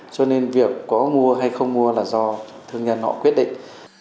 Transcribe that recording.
cho nên việc có mua hay không mua là do thương nhân họ quyết định